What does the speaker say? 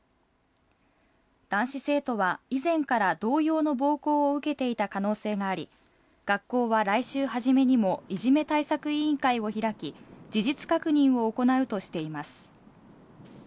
男子生徒は以前から同様の暴行を受けていた可能性があり、学校は来週初めにも、いじめ対策委員会を開き、事実確認を行うとしています。